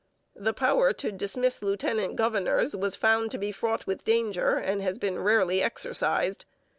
The power to dismiss lieutenant governors was found to be fraught with danger and has been rarely exercised.